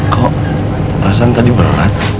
kok rasanya tadi berat